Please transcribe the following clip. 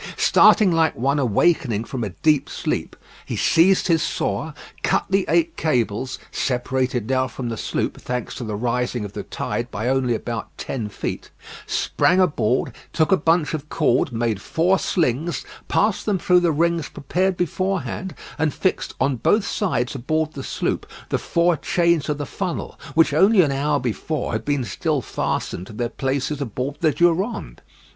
Starting like one awakening from a deep sleep, he seized his saw, cut the eight cables, separated now from the sloop, thanks to the rising of the tide, by only about ten feet; sprang aboard, took a bunch of cord, made four slings, passed them through the rings prepared beforehand, and fixed on both sides aboard the sloop the four chains of the funnel which only an hour before had been still fastened to their places aboard the Durande.